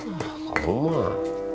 ah kamu mah